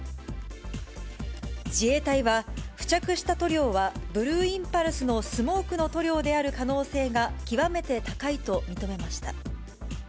自衛隊は、付着した塗料は、ブルーインパルスのスモークの塗料である可能性が極めて高いと認めました。